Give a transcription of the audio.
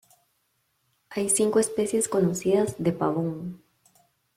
Hay cinco especies conocidas de "pavón".